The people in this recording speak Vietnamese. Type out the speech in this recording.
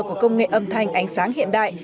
của công nghệ âm thanh ánh sáng hiện đại